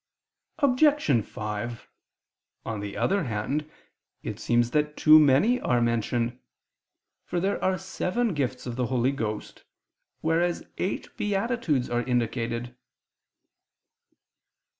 Obj. 5: On the other hand, it seems that too many are mentioned. For there are seven gifts of the Holy Ghost: whereas eight beatitudes are indicated.